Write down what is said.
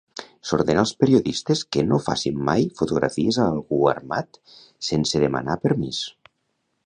S'ordena als periodistes que no facin mai fotografies a algú armat sense demanar permís.